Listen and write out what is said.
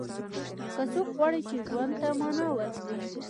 که څوک غواړي چې ژوند ته معنا ورکړي.